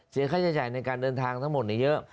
ค่าใช้จ่ายในการเดินทางทั้งหมดเยอะ